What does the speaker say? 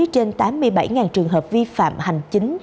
trên tám mươi bảy trường hợp vi phạm hành chính